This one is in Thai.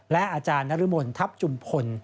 และอาจารย์นรมนทัพจุมพล